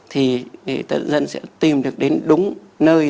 thì người dân sẽ tìm được đến đúng nơi